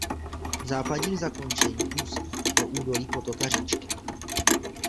V západním zakončení ústí do údolí potoka Říčky.